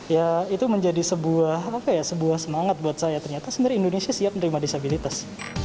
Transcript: ya itu menjadi sebuah semangat buat saya ternyata sebenarnya indonesia siap menerima disabilitas